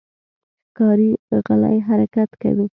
ښکاري غلی حرکت کوي.